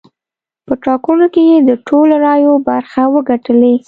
په ټاکنو کې یې د ټولو رایو برخه وګټلې.